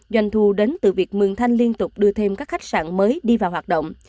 doanh thu đến từ việc mường thanh liên tục đưa thêm các khách sạn mới đi vào hoạt động